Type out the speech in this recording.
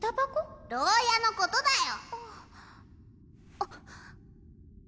あっ。